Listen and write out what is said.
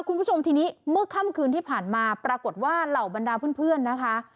คุณผู้ชมทีนี้เมื่อค่ำคืนที่ผ่านมาปรากฏว่าเหล่าบรรดาเพื่อนนะคะ